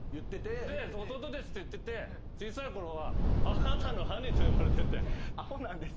で弟ですって言ってて小さいころはあなたの兄と呼ばれてて。